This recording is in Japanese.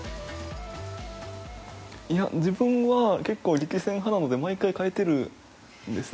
いや、自分は結構、力戦派なので、毎回変えてるんですね。